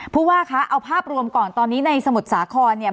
ผู้ว่าคะเอาภาพรวมก่อนตอนนี้ในสมุทรสาครเนี่ย